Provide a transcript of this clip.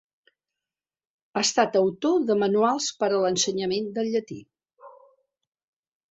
Ha estat autor de manuals per a l'ensenyament del llatí.